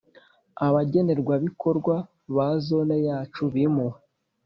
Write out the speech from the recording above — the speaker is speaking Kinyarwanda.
abagenerwabikorwa ba Zone yacu bimuwe